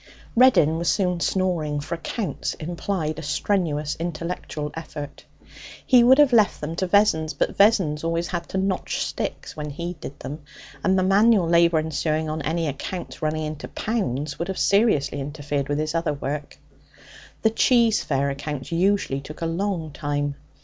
Reddin was soon snoring, for accounts implied a strenuous intellectual effort. He would have left them to Vessons, but Vessons always had to notch sticks when he did them, and the manual labour ensuing on any accounts running into pounds would have seriously interfered with his other work. The cheese fair accounts usually took a long time.